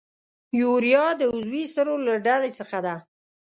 یوریا د عضوي سرو له ډلې څخه ده.